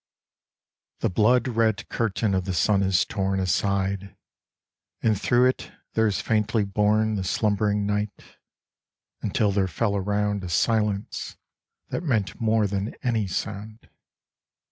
The blood red curtain of the sun is torn Aside, and through it there is faintly borne The slumbering night, until there fell around A silence that meant more than any sound.